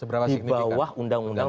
di bawah undang undang